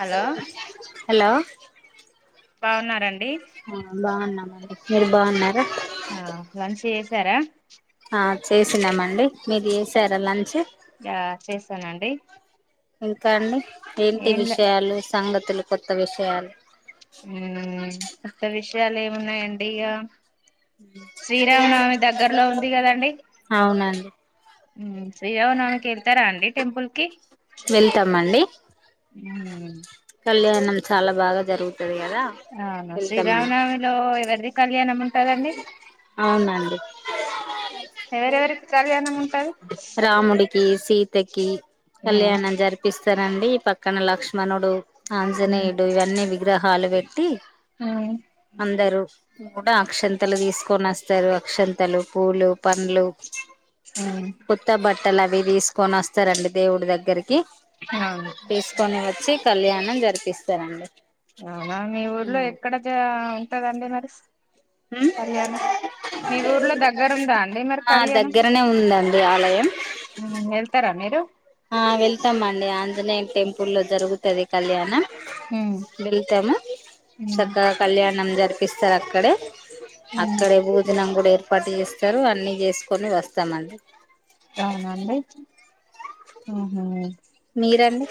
Hello hello బాగున్నారండి ఆ బాగున్నామండి మీరు బాగున్నారా ఆ మంచిగ్ చేసరా ఆ చేసినామండి మీరు చేసారా లంచ్ ఆ చేసానండి ఎంత అండి ఏంటి ఏం లే విశయాలు సంగతులు కొత్త విషయాలు హుమ్ కొత్త విషయాలు ఏమున్నాయండి ఇగా శ్రీరామనవమి దగ్గరలో ఉంది. కదండి అవునండి శ్రీరామనవమికి ఏళ్తారా అండి. టెంపుల్ కి వెళ్తామండి ఉ కళ్యాణం చాలా బాగా జరుగు అవును శ్రీరామ నవమి పోయిర్రా కళ్యాణం ఉంటదండి అవునండి ఎవరెవరికి కళ్యాణం ఉంటది రాముడికి సీతకి మ్మ్ కళ్యాణం జరిపిస్తర్ అండి పక్కన లక్ష్మణుడు మ్మ్ ఆంజనేయుడు ఇవన్నీ విగ్రహ ఆలు బెట్టి మ్మ్ అందరూ అక్షంతలు తీసుకొని ఆస్తారు. అక్షంతలు పూలు పండ్లు మ్మ్ కోత్త బట్టలవి తీసుకొని వస్తారండి. దేవుడి దగ్గరికి అవును కి తీసుకొని వచ్చి కళ్యాణం జరిపిస్తారండి. అవునా మీ ఊర్లో ఎక్కడ జ రుగుతది అండి. మరి కళ్యాణం మీ ఊర్లో దగ్గర ఉందా అండి. మరి ఆ కళ్యాణం దగ్గరనే ఉందండి ఆలయం వెళ్తారా మీరు ఆ వెళ్తాం అండి ఆంజనేయ టెంపుల్లో జరుగుతది కళ్యాణం. ఉమ్ వెళ్తాము. ఉమ్ సక్కగా కళ్యాణం జ రీపిస్తారు. అక్కడే అక్కడ బోజనం గుడా ఏ ర్పాటు చేస్తారు. అన్ని చేసుకొని వస్తామండి. ఆహా మీరండి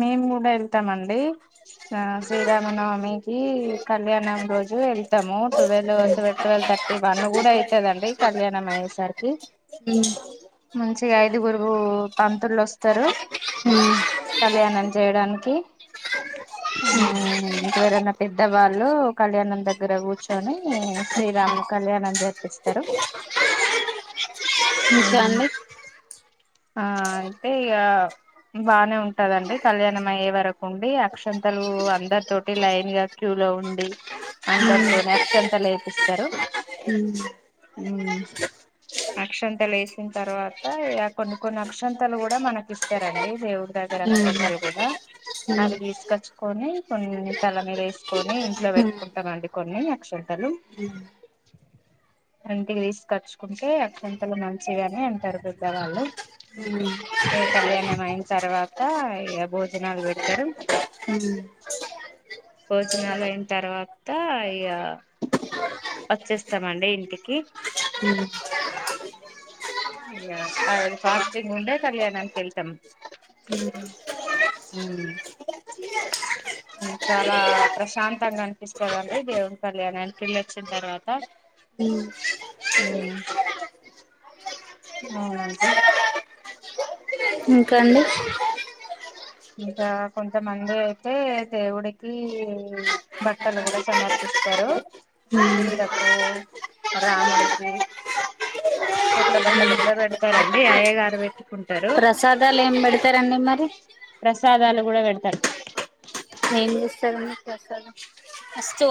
మేము కూడా ఏళ్తామండి. ఆ శ్రీరామ నవమి కి కళ్యాణం రోజు ఏళ్తాము. ట్వెల్వ్ ట్వెల్వ్ థర్టీ వన్ కూడా అయితదండి. కళ్యాణం అయ్యేసరికి హ్ మంచిగా ఐదుగురు పంతుళ్లు వోస్తారు. కళ్యాణం చేయడానికి ఇంకవేరన్న పెద్దవాళ్ళు కళ్యాణం దగ్గర కూర్చొని శ్రీరాముని కళ్యాణం జరిపిస్తారు. ఇంక ఉమ్ అండి. ఆ అయితే ఇగా బానే ఉంటదండి. కళ్యాణం అయ్యే వరకు ఉండి. అక్షంతలు అందరి తోటి లైన్ గా క్యూ లో ఉండి. అందరితోని అక్షంతలు ఏపిస్తారు. హ్ అక్షంతల వేసిన తర్వాత కొన్ని కొన్ని అక్షంతాలు కూడా మనకి ఇస్తారండి దేవుడు [unintelligible] రక్షతాలు కూడా అవి తీసుకొచ్చు కని కొన్ని తలని వేసుకొని ఇంట్లో పెట్టుకుంటామండి కొన్ని అక్షంతలు, ఇంటికి తీసుకచ్చుకుంటే అక్షంతలు మంచివి అని అంటారు. పెద్దగాల ఇగ కళ్యాణం అయిన తర్వాత ఇగ భోజనాలు పెడతారు. హ్ భోజనాలు అయిన తర్వాత ఇగా వచ్చేస్తామండి. ఇంటికి హ్ ఇగ అ రోజు ఫాస్టింగ్ ఉండే కళ్యాణనికి ఏళ్తాం. హ్ మ్ చాలా ప్రశాంతంగా అనిపిస్తుందండి దేవన్ కళ్యాణ్నికి వేళ్ళొచ్చిన తర్వాత మ్ మ్ మ్ ఇంకా అండి ఇంకా కొంతమంది అయితే దేవుడికి, బట్టలు కూడా సమర్పిస్తారు, సీతకు రాముడికి కొత్త బట్టలు కూడా పెడతారండి అయ్య గారు పెట్ ప్రసాదాలు ఏం పెడతారండి మరి ప్రసాదాలు కూడా పెడతారు ఏం చేస్తారు మీకు అసలు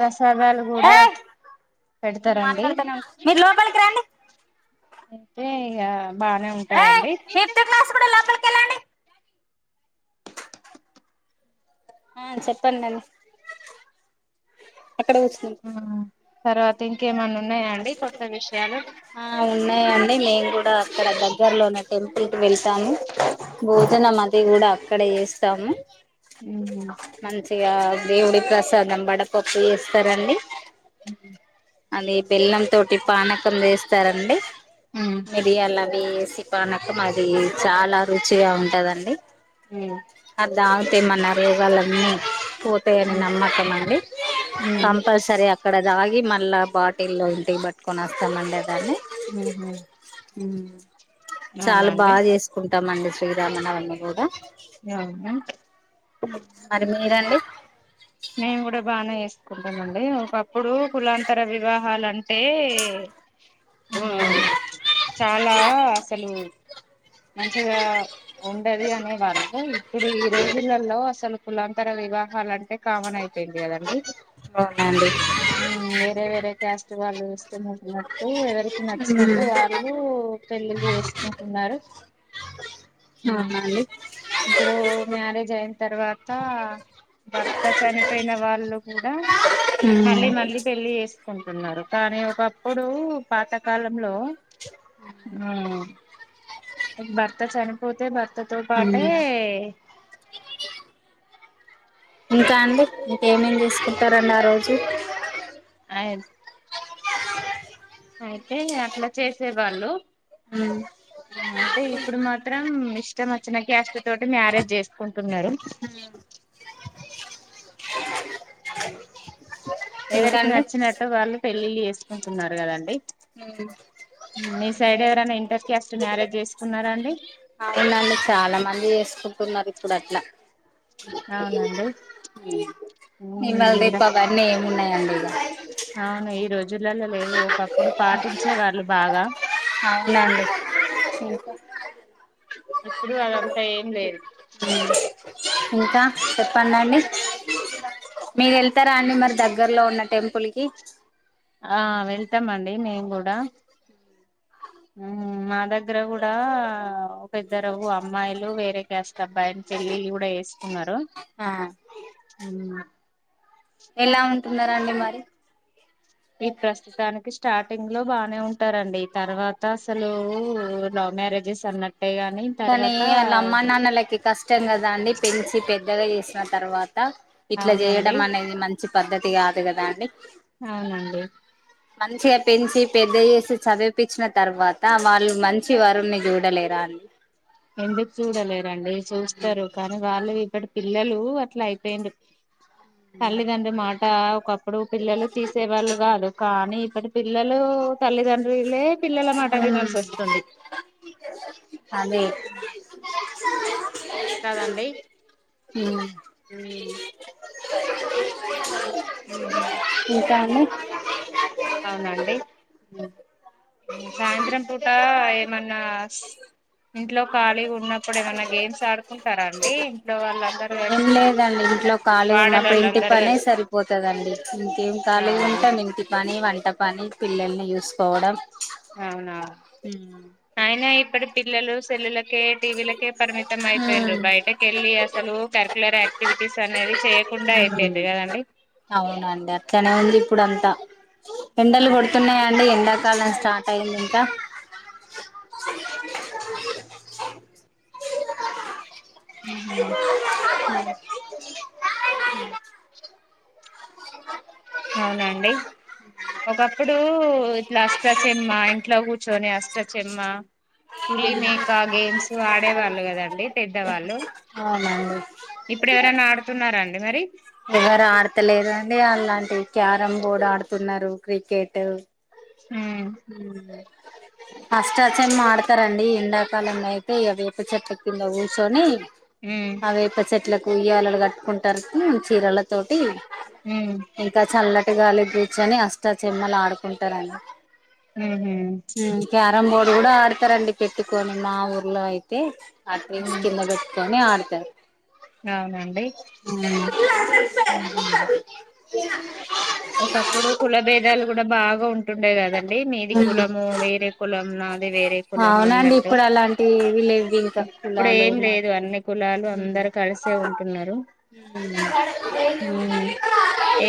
రసదాల గూడ మాట్లాడతానే ఉన్నా మీరు లోపలికి రండి అయితే ఇక బానే ఉంటాయిండి పిప్త్ క్లాసు కూడా లోపలికి వెళ్ళండి మ్ చెప్పండి అక్కడ వస్తుం తర్వాత ఇంకేమన్నా ఉన్నాయా అండి కొ ఆ ఉన్నాయండి మేము కూడా అక్కడ దగ్గర్లోన్న టెంపుల్ కి వెళ్తాను భోజనం అంత మ్ కూడా అక్కడ చేస్తాము మంచిగా మ్ దేవుడి ప్రసాదం బడపప్పు చేస్తారండి అది బెల్లం తోటి పానకం వేస్తారండి మిరి అలా వస్త పనక మాది చాలా రుచిగా ఉంటదండి ఉమ్ దాతే మన రోగాలన్నీ పోతాయని నమ్మకం అండి మ్మ్ కంపల్సరీ అక్కడ రాగి మల్బట్ ఇల్ల్లో ఇంటికి పట్టుకొని వస్తామండడి దాన్ని హ మ్ చాలా బాగా చేసుకుంటామండి శ్రీరామన అన్న కూద అవునా మరి మీరండి మేము కూడా బాగానే చేసుకుంటామండి మా పాప ఇప్పుడు కులాంతర వివాహాలంటే చాలా మ్ అసలు మంచిగా ఉండది అనే వాళ్ళు ఇప్పుడు ఈ రోజులలో అసలు కులాంతర వివాహాలంటే కామన్ అయిపోయింది కదండి అవునండి వేరే వేరే చేస్త వాళ్ళు ఇస్తున్నన్నట్టు ఎవరి నచ్చినట్టు వాళ్ళు పెళ్ళిళ్లు వేసుకుంటున్నారు ఉమ్ అవునండి ఇప్పుడు మ్యారేజ్ అయి తర్వాత భర్త చనిపోయిన వాళ్ళు కూడా మళ్ళీ మళ్ళీ పెళ్ళి చేస్త కుంటున్నారు కానీ ఒకప్పుడు పాతకాలంలో ఇ భర్త చనిపోతే భర్త త పాట ఇంకా అండి మీక ఏమేమి చేసుకుంటారంండి ఆ రోజు అ అయితే అట్లా చేసే వాళ్ళు ఉమ్ అయితే ఇప్పుడు మాత్రం ఇష్టం వచ్చిన గ్యాస్ట్ తోటి మ్యారేజ్ చేసుకుంటున్నారు ఇంకా ఏవిరికి అండి నచ్చినట్ వాళ్ళు పెళ్ళళ్ళ చేసుకుంటున్నారు కదండి మీ సైడివరనా ఇంటర్ కస్ట్ మ్యారేజ్ చేసుకున్నార అండి అవునీ చాలా మంది చేసుకుంటున్నారు ఇప్పుడు అట్లా అవునండి మమళది ఉమ్ పవన్నీ ఏమిన్నాయండి అ అవును ఈ రోజులలో లేదు ఒకప్పుడు పాటించే వాళ్ళు బాగా అవునా అండి ఇప్పుడు అదంతా ఏం లేదు ఉమ్ ఇంకా చెప్పడిండి మీరు వెళ్తారా అండి మరి దగ్గరలో ఉన్న టెంపుల్కి ఆ వెళ్తాం అండి మేము కూడా మా దగ్గర కూడా ఒక ఇద్దరు అమ్మాయిలు వేరే కస్ట్ అబ్బాయిని పెళ్ళిళ్ళ కూడా వేసుకున్నారు ఆ ఎలా ఉంటున్నారా అండి మరి ఈ ప్రస్తుతానికి స్టార్టింగ్ లో బానే ఉంటారంండి తర్వాత అసలు లవ్ మ్యారేజెస్ అన్నట్టు కానీ వాళ్ళ అమ్మా నాన్నలకి కష్టం కదా అండి పెంచి పెద్దగా చేసిన తర్వాత ట ఇట్లా అవునండి చేయడం అనేది మంచి పద్ధతి కాదు కదా అండి అవునండి మంచిగా పెంచి పెద్దయసి చదివిపించిన తర్వాత వాళ్ళు మంచి వరుణ్ని చూడలేరా అండీ ఎందుకు చూడలేరండి చూస్తారు కానీ వాళ్ళు ఇప్పుటి పిల్లలు అట్లా అయిపోఇండ్రు తల్లిదండ్ర్రి మాట ఒకప్పుడు పిల్లలు తీసేవాళ్ళు కాదు కానీ ఇప్పటి పిల్లలు తల్లిదండ్రులే పిల్లల మాట వినాల్సి వస్తుంది [inaudible] అదే కాదండి హు మ్ అ మ్ హు ఇంకా అండి అవునండి సాయంత్రం పూట ఏమన్నా ఇంట్లో ఖాళీగ ఉన్నప్పుడు ఏమన్నా గేమ్స్ ఆడుకుంటారాండి ఇంట్లో వాళ్ళందరు కల్ లేదండి ఇంట్లో ఖాళీగ ఉన్నప్పుడు ఇంటి పనే కలిసి సరిపోతుందండి ఇంకేం ఖాళీగా అవునా ఉంటాం ఇంటి పని వం ట పని పిల్లల్ని చూసుకోవడం అవునా ఆయన ఇప్పుడు పిల్లలు సెల్లులకే టీవీలకే పరిమి తమై పొఇండ్రు బయటకెళ్ళి అ అసలు కరర్కు్లర్ యాక్టివిటీస్ అనేది చేయకుండా అయిపోయిండ్రు కదండి అవునండి అట్లనే ఉంది ఇప్పుడు అంతా ఎండలు కొడుతున్నాయా అండి ఎండాకాలం స్టార్ట్ అయింది ఇంకా హ అవునండి ఒక ఇప్పుడు ఇట్లా అష్టచమ్మ ఇంట్లో కూర్చొని అష్టచెమ్మ పులి మేకా గేమ్స్ ఆడేవాళ్ళు కదండి పెద్దవాళ్ళు ఇప్పుడు ఎవరైనా అవునండి ఆడుతున్నారా అండి మరి ఎవరు ఆడతలేదండి అలాంటి క్యారం బోర్డు ఆడుతున్నారు క్రికెట్ ఉమ్ ఉ అష్ట చెమ్మ ఆడతారండి ఎండాకాలంలో అయితే ఇక వేప చెట్టు కింద కూర్చొని ఉమ్ అవే వేప చేట్లా ఉయ్యాలలు కట్టుకుంటారుకు చీరలతోటి ఉమ్ ఇంకా చల్ల ట్ గాలికి కూర్చొని అష్టాచెమ్మలాడుకుంటారండి మ్ హు రంబోడు కూడా ఆడతారండి పెట్టుకొని మా ఊర్లో అయితే ఆ డ్రిల్స్ ఉమ్ కింద పెట్కొని ఆడ్ ట్ అవునండి ఉహు ఒకప్పుడు కుల భేదాలు కూడా బాగా ఉంటుండే కదండి మీది కులము వేరే కులం నాది వేరే కులం అవునండి అన్నట్టు ఇప్పుడు అలాంటివి లేవు ఇంకా ఇప్పుడు కులాలు ఏం లేదు మతాలు అన్ని కులాలు అందరు కలిసే ఉంటున్నారు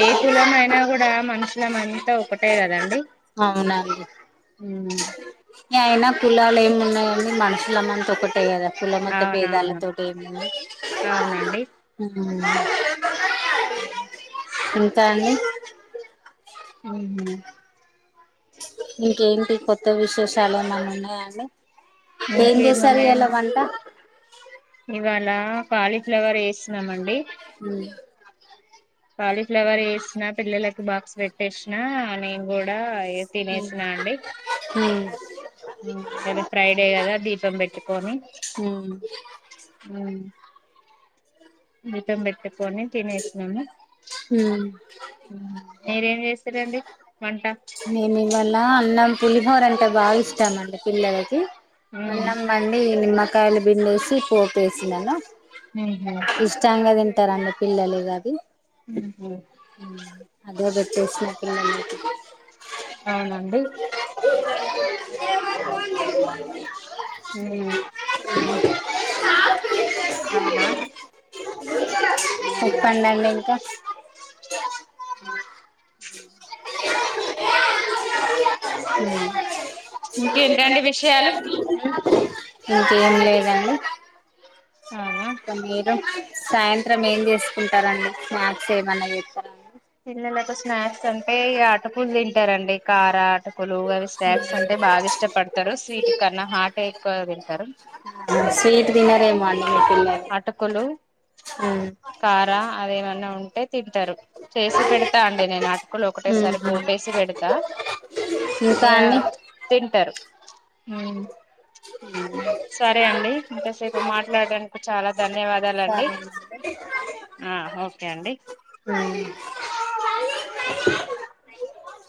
ఏ కులంయినా ఇప్పు మనుషుల అంతా ఒకటే కదండి అవునాండి ఉమ్ ఏ ఎన్న కుళా లేంమ్ ఉన్నాయండి మనుషులమంత ఒకటేయ్ కదా అండి కుల మత్త బేదాల అవునవును తోటి ఏమ అవునండి అ ఉ ఇంత అని ఆ ఇంకేంటి కొత్త విశేషాలు ఏమన్నా ఉన్నాయా అండి ఏం చేసారు ఇవాలా ఇంకేమున్నాయండి వంట అలా కాలీఫ్లవర్ వేస్తున్నా మ్ అండి హ కాలీఫ్లవర్ వేసినా పిల్లలకి బాక్స్ పెట్టే షినా నేను కూడా ఉ లేదా ఫ్రైడే కదా దీపం పెట్టుకొని గతంబెట్ట కొని తినేసిన ము మీరేం చేస్తారండి వంట నేను ఇవళ అన్నం పులిహోర అంటే బాగా ఇష్టమండి పిల్లలకి ఉమ్ అన్నం బండి ని కాయలు బిండేసి పోపేసి నాను మ్ [unintelligible] పిల్లలే గాదు ఉమ్ [unintelligible] అవునా అండి ఇనో అడిబుల్ హ చెప్పండండి ఇంకా అ ఇంకేంటండి విషయాలు ఇంకేం లేదండి మ్ ఇక మీరు సాయంత్రం ఏం చేసుకుంటారండి స్నాక్స్ ఏమన్నాచేసుకుం పిల్లలకు స్నాక్స్ అంటే ఆటకులు తింటారండి కారా ఆటకు కొలువుగా అవి స్నాక్స్ అంటె బాగా ఇష్టపడతారు స్వీట్ కన్నా హాట్ట్ ఎక్కువ తింటరు స్వీట్ తినరేమో అని అటుకులు ఉమ్ కారా అదిఏమన్నా ఉంటే తింటారు చేసి పెడతా అండి నేను అటుకులు ఒకటేసారి ఉహు పోపేసి పెడతా ఇంకా యా అండి తింటరు [unintelligible] సరే అండి ఇంతసేపు మాట్లాడడానికి చాలా సరే ధన్యవాదాలండి [inaudible] అ